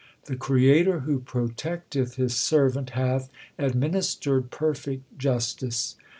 The Creator who protecteth His servant Hath administered perfect justice.